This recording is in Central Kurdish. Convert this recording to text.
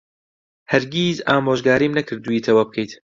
هەرگیز ئامۆژگاریم نەکردوویت ئەوە بکەیت.